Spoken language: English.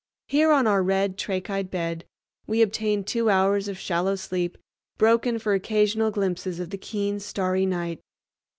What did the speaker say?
Here, on our red trachyte bed, we obtained two hours of shallow sleep broken for occasional glimpses of the keen, starry night.